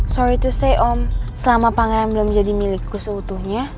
sorry to stay om selama pangeran belum menjadi milikku seutuhnya